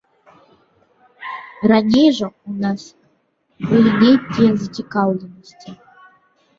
Раней жа ў нас былі нейкія зацікаўленасці.